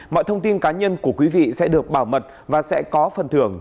mọi thông tin cá nhân của quý vị sẽ được bảo mật và sẽ có phần thử nghiệm